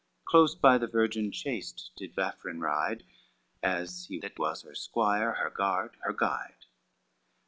Close by the virgin chaste did Vafrine ride, As he that was her squire, her guard, her guide.